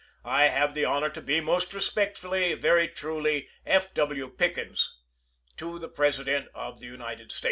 I have the honor to be, most respectfully, Yours truly, F. W. Pickens. To the President of the United States.